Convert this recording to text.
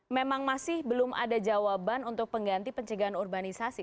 memang masih belum ada jawaban untuk pengganti pencegahan urbanisasi